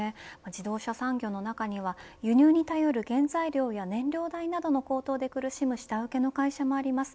自動車産業の中には輸入に頼る原材料や燃料代などのことで苦しむ下請けの会社もあります。